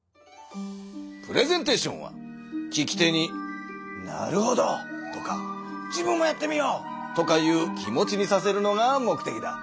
プレゼンテーションは聞き手に「なるほど！」とか「自分もやってみよう！」とかいう気持ちにさせるのが目てきだ。